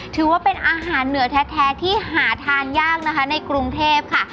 ถือว่าเป็นอาหารเหนือแท้ที่หาทานยากนะคะในกรุงเทพค่ะ